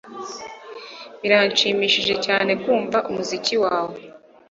Birashimishije cyane kumva umuziki wawe.